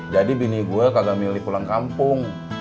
jadi bini gue kagak milih pulang kampung